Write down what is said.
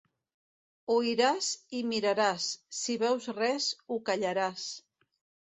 Oiràs i miraràs; si veus res, ho callaràs.